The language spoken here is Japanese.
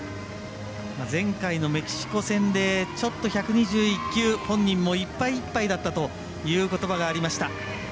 前回のメキシコ戦でちょっと１２１球、本人もいっぱいいっぱいだったということばがありました。